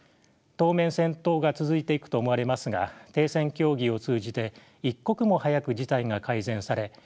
当面戦闘が続いていくと思われますが停戦協議を通じて一刻も早く事態が改善され